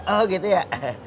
oh gitu ya